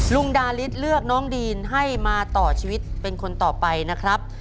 ดาริสเลือกน้องดีนให้มาต่อชีวิตเป็นคนต่อไปนะครับ